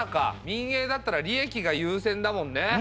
民営だったら利益が優先だもんね。